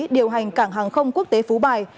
điều hành cảng hàng không quốc tế phú bài